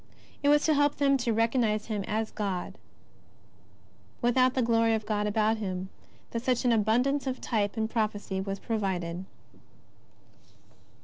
It was to help them to recognize Him as God without the glory of God about Ilim that such an abundance of type and prophecy was provided.